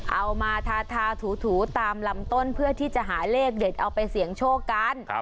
เอามาทาถูตามลำต้นเพื่อที่จะหาเลขเด็ดเอาไปเสี่ยงโชคกัน